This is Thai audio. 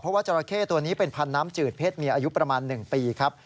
เพราะว่าจราเข้ตัวนี้เป็นพันธุ์น้ำจืดเพศเมียอายุประมาณ๑ปีครับ